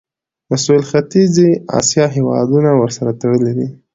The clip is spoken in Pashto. د سویل ختیځې اسیا هیوادونه ورسره تړلي دي.